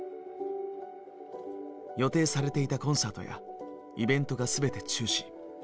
予定されていたコンサートやイベントが全て中止。